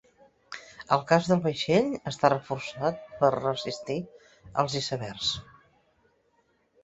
El casc del vaixell està reforçat per resistir els icebergs.